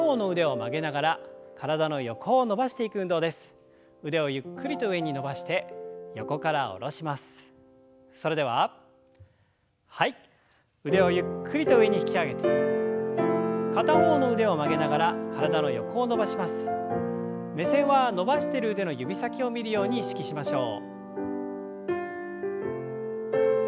目線は伸ばしている腕の指先を見るように意識しましょう。